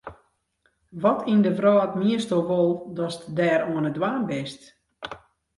Wat yn de wrâld miensto wol datst dêr oan it dwaan bist?